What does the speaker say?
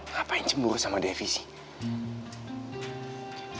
ngapain cembur sama devi sih